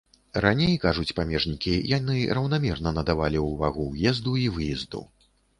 Раней, кажуць памежнікі, яны раўнамерна надавалі ўвагу ўезду і выезду.